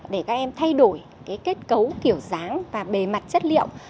để các em thay đổi kết cấu kiểu dáng và bề mặt chất liệu